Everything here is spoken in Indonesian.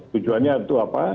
tujuannya itu apa